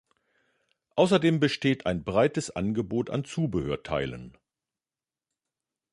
Außerdem besteht ein breites Angebot an Zubehörteilen.